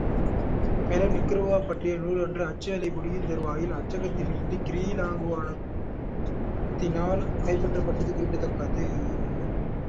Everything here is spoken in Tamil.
மேலும், நிக்கரகுவா பற்றிய நூலொன்று அச்சு வேலை முடியுந்தறுவாயில் அச்சகத்திலிருந்து கிறீலங்காாணுவத்தினால் கைப்பற்றபட்டதும் குறிப்பிடத்தக்கது.